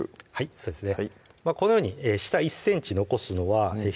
そうですね